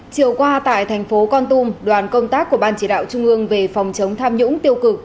chiều qua tại thành phố con tum đoàn công tác của ban chỉ đạo trung ương về phòng chống tham nhũng tiêu cực